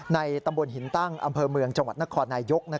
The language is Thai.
ตำบลหินตั้งอำเภอเมืองจังหวัดนครนายยก